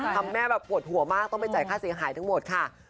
แม่แบบปวดหัวมากต้องไปจ่ายค่าเสียหายทั้งหมดค่ะ